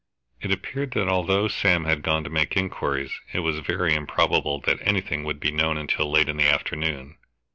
It appeared that although Sam had gone to make inquiries, it was very improbable that anything would be known until late in the afternoon.